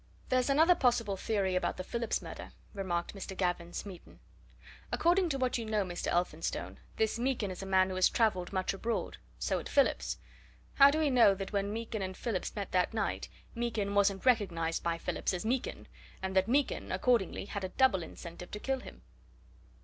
"There's another possible theory about the Phillips murder," remarked Mr. Gavin Smeaton. "According to what you know, Mr. Elphinstone, this Meekin is a man who has travelled much abroad so had Phillips. How do we know that when Meekin and Phillips met that night, Meekin wasn't recognized by Phillips as Meekin and that Meekin accordingly had a double incentive to kill him?"